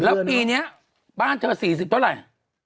แล้วปีนี้บ้านเธอ๔๐เท่าไหร่